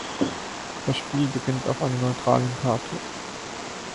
Das Spiel beginnt auf einer neutralen Karte.